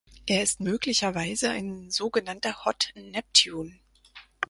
Er ist möglicherweise ein sogenannter „Hot Neptune“.